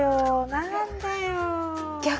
何だよ。